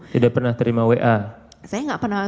tidak pernah terima wa saya nggak pernah